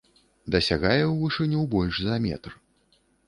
Дасягае ў вышыню больш за метр.